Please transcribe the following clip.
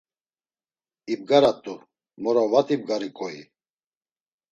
İbgarat̆u, moro vat ibgariǩoi!